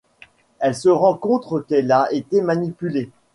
Elle se rend compte qu'elle a été manipulée.